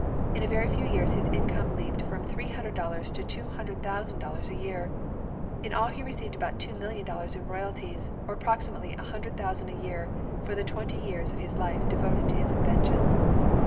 In a very few years his income leaped from three hundred dollars to two hundred thousand dollars a year. In all he received about two million dollars in royalties, or ap proximately a hundred thousand a year, for the twenty years of his life devoted to his invention.